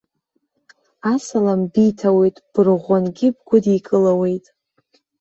Асалам биҭауеит, бырӷәӷәангьы бгәыдикылауеит.